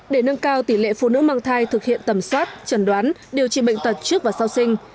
để nâng cao tỷ lệ phụ nữ mang thai thực hiện tầm soát trần đoán điều trị bệnh tật trước và sau sinh